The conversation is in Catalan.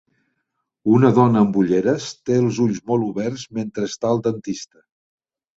Una dona amb ulleres té els ulls molt oberts mentre està al dentista.